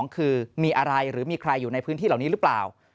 คือมีอะไรหรือมีใครอยู่ในพื้นที่เหล่านี้หรือเปล่า